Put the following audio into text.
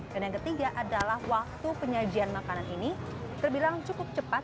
yang ketiga adalah waktu penyajian makanan ini terbilang cukup cepat